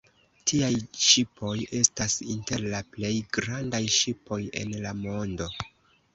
Tiaj ŝipoj estas inter la plej grandaj ŝipoj en la mondo.